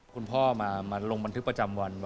คุณพ่อมาลงบันทึกประจำวัน